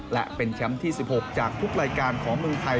และเป็นแชมป์ที่๑๖จากทุกรายการของเมืองไทย